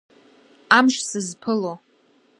Амш сызԥыло…